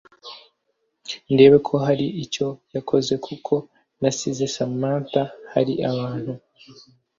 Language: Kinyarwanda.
ndebe ko hari icyo yakoze kuko nasize Samantha hari ahantu